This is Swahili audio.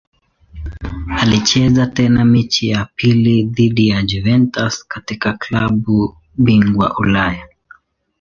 Alicheza tena mechi yake ya pili dhidi ya Juventus katika klabu bingwa Ulaya.